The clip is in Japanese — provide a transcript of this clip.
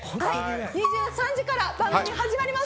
２３時から番組は始まります！